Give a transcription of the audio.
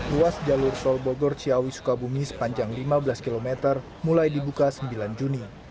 ruas jalur tol bogor ciawi sukabumi sepanjang lima belas km mulai dibuka sembilan juni